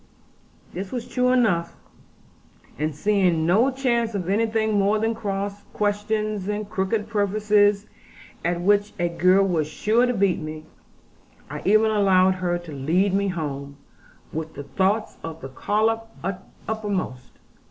This was true enough; and seeing no chance of anything more than cross questions and crooked purposes, at which a girl was sure to beat me, I even allowed her to lead me home, with the thoughts of the collop uppermost.